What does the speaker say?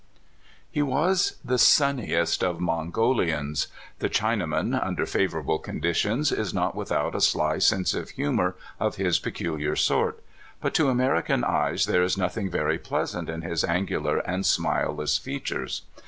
HE was the sunniest of Mongolians. The Chinaman, under favorable conditions, is not without a sly sense of humor of his peculiar sort; but to American eyes there is nothing very pleasant in his angular and smileless features.